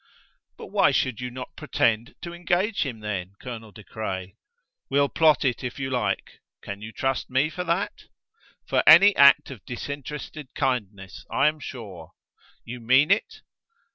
"But why should you not pretend to engage him then, Colonel De Craye?" "We'll plot it, if you like. Can you trust me for that?" "For any act of disinterested kindness, I am sure." "You mean it?"